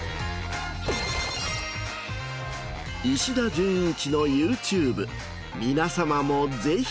石田純一のＹｏｕＴｕｂｅ皆さまもぜひ。